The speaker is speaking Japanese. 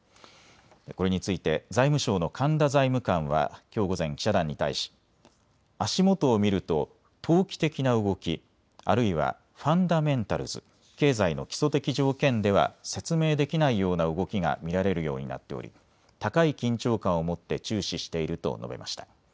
これについて財務省の神田財務官はきょう午前記者団に対し足元を見ると投機的な動き、あるいはファンダメンタルズ・経済の基礎的条件では説明できないような動きが見られるようになっており高い緊張感を持って注視していると述べました。